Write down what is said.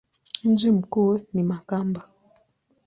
Mji mkuu ni Makamba.